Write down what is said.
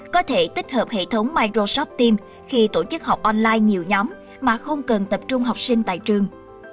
có thể tích hợp hệ thống microsoft team khi tổ chức học online nhiều nhóm mà không cần tập trung học sinh tại trường